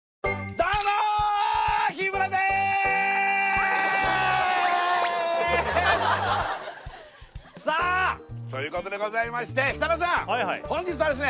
どうも日村ですさあということでございまして設楽さん本日はですね